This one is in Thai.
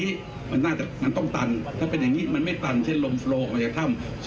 มีคำถามไหมครับเชิญครับ